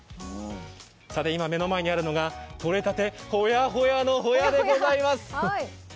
今、目の前にあるのがとれたてホヤホヤのホヤでございます！